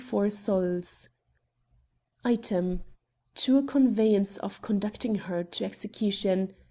54 sols Item, To a conveyance for conducting her to execution